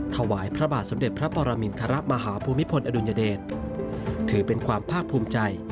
ถวายพระบาทสมเด็จพระปรมินทรมาฮภูมิพลอดุลยเดชถือเป็นความภาคภูมิใจ